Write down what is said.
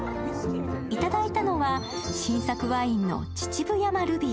いただいたのは新作ワインのちちぶ山ルビー。